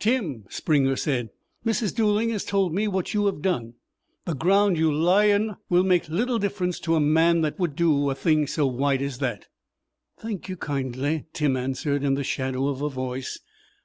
"Tim," Springer said, "Mrs. Dooling has told me what you have done. The ground you lie in will make little difference to a man that would do a thing so white as that." "Thank you kindly," Tim answered, in the shadow of a voice.